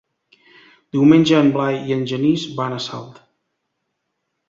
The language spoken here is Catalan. Diumenge en Blai i en Genís van a Salt.